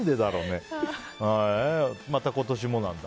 また今年もなんだ。